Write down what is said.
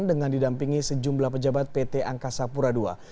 dengan didampingi sejumlah pejabat pt angkasa pura ii